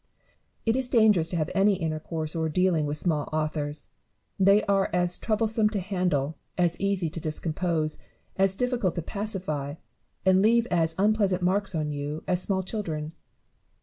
It is dangerous to have any intercourse or dealing with small authors. They are as troublesome to handle, as easy to discompose, as diflicult to pacify, and leave as unpleasant marks on you, as small children.